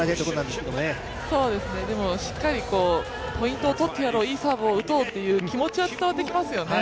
でも、しっかりポイントを取ってやろう、いいサーブを打とうという気持ちは伝わってきますよね。